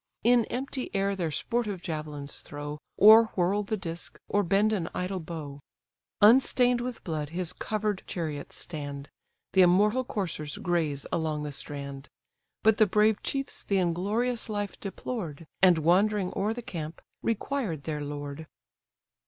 In empty air their sportive javelins throw, Or whirl the disk, or bend an idle bow: Unstain'd with blood his cover'd chariots stand; The immortal coursers graze along the strand; But the brave chiefs the inglorious life deplored, And, wandering o'er the camp, required their lord.